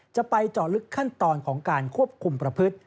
จะไปเจาะลึกขั้นตอนของการควบคุมประพฤติ